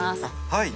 はい。